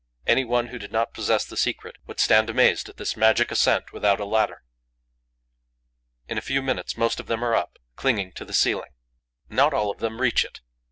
Any one who did not possess the secret would stand amazed at this magic ascent without a ladder. In a few minutes, most of them are up, clinging to the ceiling. Not all of them reach it.